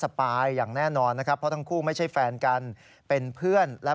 ส่วนทางด้านคุณยายหรือคุณยายบนเหลือนาเมืองรัก